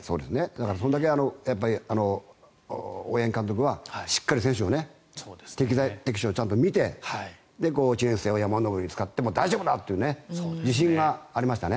それだけ大八木監督はしっかり選手を適材適所をちゃんと見て１年生を山上りに使っても大丈夫だという自信がありましたね。